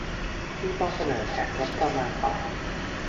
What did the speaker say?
ที่ต้องเสนอแผนงบประมาณต่อ